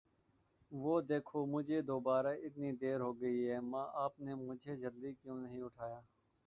وه دیکھو. مجهے دوباره اتنی دیر ہو گئی ہے! ماں، آپ نے مجھے جلدی کیوں نہیں اٹھایا!